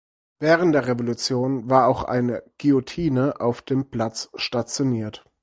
Während der Revolution war auch eine Guillotine auf dem Platz stationiert.